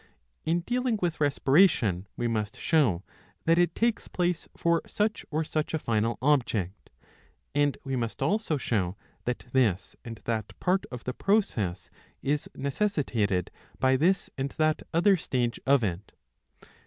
In dealing with respiration we must show 'that it takes place for such or such a final object ; and we must also show that this and that part of the process is necessitated by this and that other stage of it.